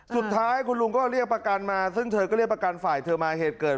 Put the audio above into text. สุดท้ายคุณลุงก็เรียกประกันมาซึ่งเธอก็เรียกประกันฝ่ายเธอมาเหตุเกิด